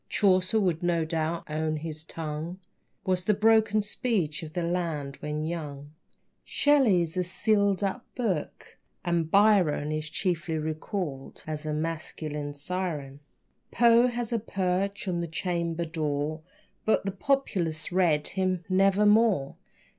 Chaucer would no doubt own his tongue Was the broken speech of the land when young. Shelley's a sealed up book, and Byron Is chiefly recalled as a masculine siren. Poe has a perch on the chamber door, But the populace read him "Nevermore."